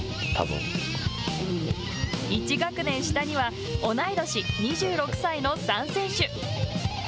１学年下には同い年、２６歳の３選手。